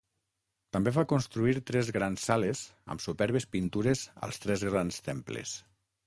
També va construir tres grans sales amb superbes pintures als tres grans temples.